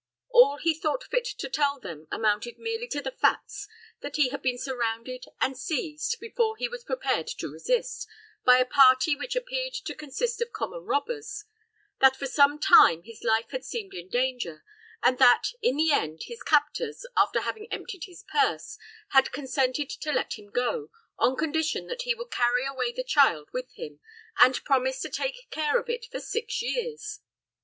All he thought fit to tell them amounted merely to the facts that he had been surrounded and seized, before he was prepared to resist, by a party which appeared to consist of common robbers; that for some time his life had seemed in danger; and that, in the end, his captors, after having emptied his purse, had consented to let him go, on condition that he would carry away the child with him, and promise to take care of it for six years.